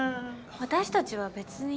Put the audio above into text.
私たちは別に。